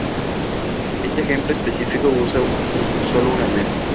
Este ejemplo específico usa sólo una mesa.